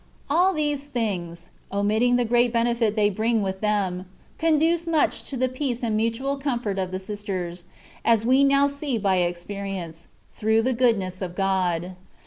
All these things (omitting the great benefit they bring with them) conduce much to the peace and mutual comfort of the sisters, as we now see by experience, through the goodness of God.